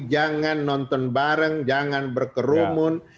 jangan nonton bareng jangan berkerumun